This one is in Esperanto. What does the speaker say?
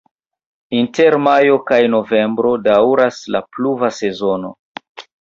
Inter majo kaj novembro daŭras la pluva sezono.